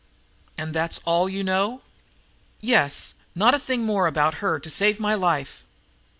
"And that's all you know?" "Yes, not a thing more about her to save my life."